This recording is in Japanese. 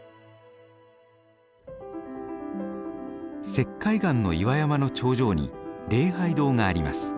石灰岩の岩山の頂上に礼拝堂があります。